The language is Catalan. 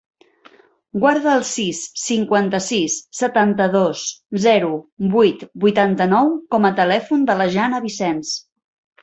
Guarda el sis, cinquanta-sis, setanta-dos, zero, vuit, vuitanta-nou com a telèfon de la Jana Vicens.